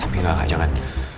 tapi gak gak jangan